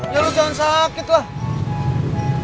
ya lu jangan sakit lah